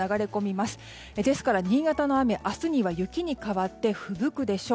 ですから新潟の雨、明日には雪に変わってふぶくでしょう。